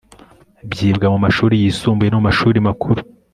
byibwa mu mashuri yisumbuye no mu mashuri makuru